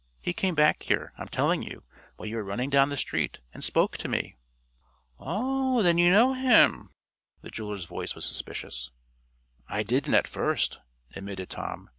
He came back here, I'm telling you, while you were running down the street, and spoke to me." "Oh, then you know him?" The jeweler's voice was suspicious. "I didn't at first," admitted Tom.